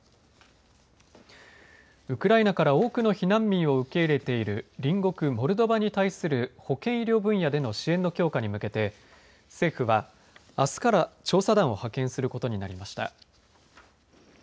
ウクライナから多くの避難民を受け入れている隣国モルドバに対する保健医療分野での支援の強化に向けて政府は、あすから調査団を派遣することになりました。